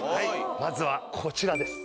まずはこちらです。